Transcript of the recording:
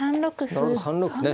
なるほど３六歩ね。